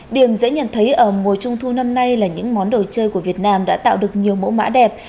điểm dễ nhận thấy ở mùa trung thu năm nay là những món đồ chơi của việt nam đã tạo được nhiều mẫu mã đẹp